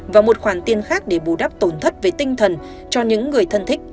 và một khoản tiền khác để bù đắp tổn thất về tinh thần cho những người thân thích